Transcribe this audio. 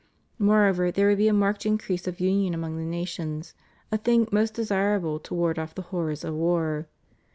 Moreover there would be a marked increase of imion among the nations, a thing most desirable to ward off the horrors of war.